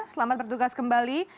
selamat bertugas kembali